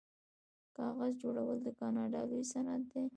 کاغذ جوړول د کاناډا لوی صنعت دی.